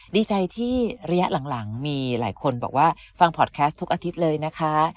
ดีใจที่ระยะหลังมีหลายคนบอกว่าฟังพอร์ตแคสต์ทุกอาทิตย์เลยนะคะ